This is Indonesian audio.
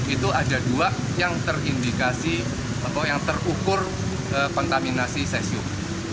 itu ada dua yang terindikasi atau yang terukur kontaminasi cesium